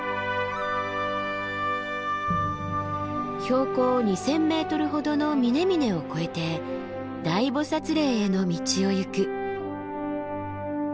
標高２，０００ｍほどの峰々を越えて大菩嶺への道を行く。